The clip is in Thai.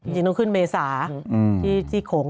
จริงต้องขึ้นเมษาที่โขง